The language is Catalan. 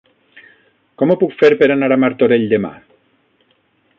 Com ho puc fer per anar a Martorell demà?